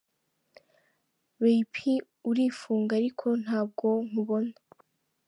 Ray P urifunga ariko ntabwo nkubona ,.